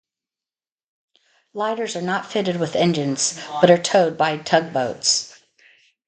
Lighters are not fitted with engines but are towed by tugboats.